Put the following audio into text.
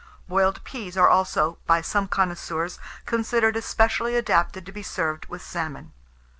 Boiled peas are also, by some connoisseurs, considered especially adapted to be served with salmon.